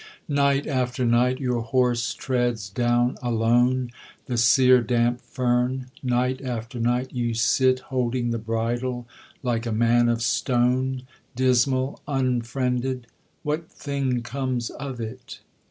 Night after night your horse treads down alone The sere damp fern, night after night you sit Holding the bridle like a man of stone, Dismal, unfriended: what thing comes of it?